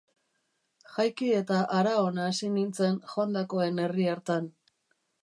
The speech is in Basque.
Jaiki eta hara-hona hasi nintzen joandakoen herri hartan.